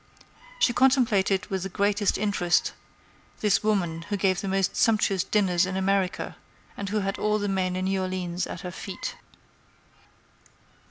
She contemplated with the greatest interest this woman who gave the most sumptuous dinners in America, and who had all the men in New Orleans at her feet.